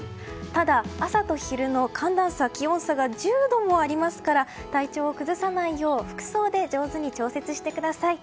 ただ、朝と昼の寒暖差、気温差が１０度もありますから体調を崩さないよう服装で上手に調節してください。